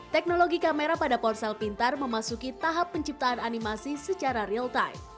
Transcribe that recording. teknologi kamera pada ponsel pintar memasuki tahap penciptaan animasi secara real time